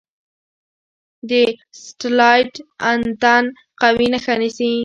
د سټلایټ انتن قوي نښه نیسي.